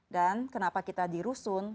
dan kenapa kita di rusun